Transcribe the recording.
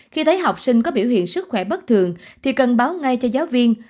khi thấy học sinh có biểu hiện sức khỏe bất thường thì cần báo ngay cho giáo viên